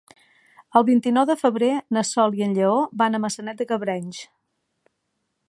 El vint-i-nou de febrer na Sol i en Lleó van a Maçanet de Cabrenys.